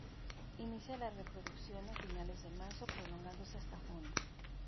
Inicia la reproducción a finales de marzo, prolongándose hasta junio.